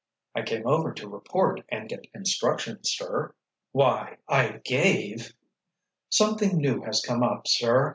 "I came over to report and get instructions, sir." "Why, I gave——" "Something new has come up, sir.